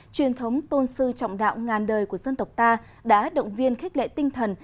truyền thống tôn sư trọng đạo ngàn đời của dân tộc ta đã động viên khích lệ tinh thần